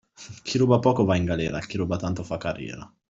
Chi ruba poco va in galera, chi ruba tanto fa carriera.